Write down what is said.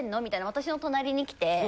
私の隣に来て。